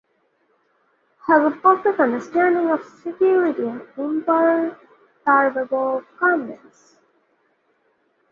Has a perfect understanding of security and an imperturbable calmness.